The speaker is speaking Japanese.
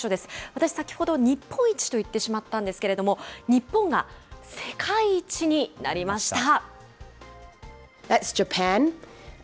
私、先ほど日本一と言ってしまったんですけれども、日本が世界一になりました。